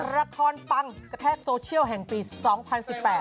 ราคอนปังกระแทกโซเชียลแห่งปีสองพันสิบแปด